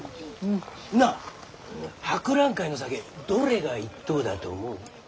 なあ博覧会の酒どれが一等だと思う？